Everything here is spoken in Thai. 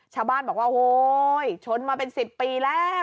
ชาวบ้านบอกว่าโฮชนมาเป็น๑๐ปีแล้ว